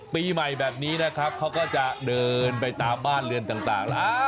ปีใหม่แบบนี้นะครับเขาก็จะเดินไปตามบ้านเรือนต่างแล้ว